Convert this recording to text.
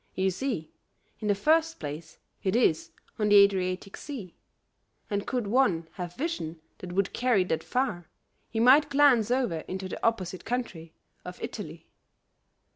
You see, in the first place, it is on the Adriatic Sea, and could one have vision that would carry that far, he might glance over into the opposite country of Italy.